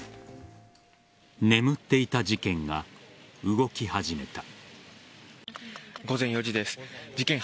眠っていた事件が動き始めた。